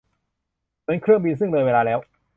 เหมือนเครื่องบินซึ่งเลยเวลาแล้ว